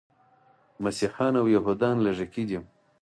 مسیحیان او یهودان لږکي دي.